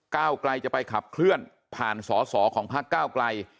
ก้าวกลายจะไปขับเคลื่อนผ่านสอสอของภาคก้าวกลาย